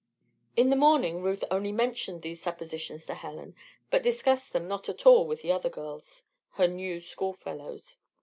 In the morning Ruth only mentioned these suppositions to Helen, but discussed them not at all with the other girls, her new school fellows.